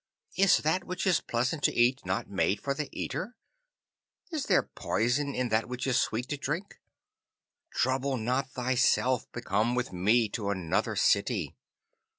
Is that which is pleasant to eat not made for the eater? Is there poison in that which is sweet to drink? Trouble not thyself, but come with me to another city.